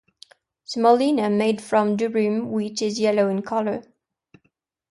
Semolina made from durum wheat is yellow in color.